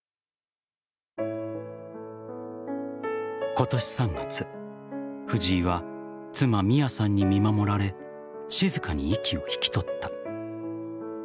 今年３月、藤井は妻・美弥さんに見守られ静かに息を引き取った。